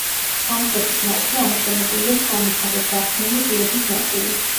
სამხრეთის ნავში ამოშენებულია სამი თაღით გახსნილი ღიობის ნაწილი.